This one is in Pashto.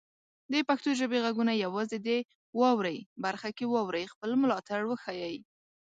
د پښتو ژبې غږونه یوازې د "واورئ" برخه کې واورئ، خپل ملاتړ وښایئ.